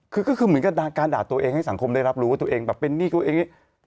คือก็คือเหมือนกับการด่าตัวเองให้สังคมได้รับรู้ว่าตัวเองแบบเป็นหนี้ตัวเอง